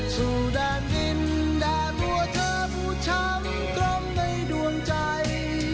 สู่ด้านดินด้านหัวเธอผู้ชำกล้มในดวงใจ